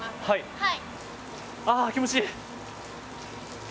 はい。